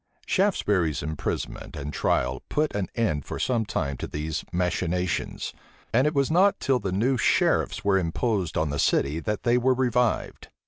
Shaftesbury's imprisonment and trial put an end for some time to these machinations; and it was not till the new sheriffs were imposed on the city that they were revived.